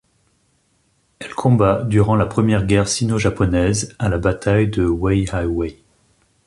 Elle combat durant la première guerre sino-japonaise à la bataille de Weihaiwei.